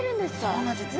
そうなんですよ。